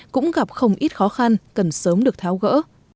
cũng gặp không ít khó khăn cần sớm được tháo gỡ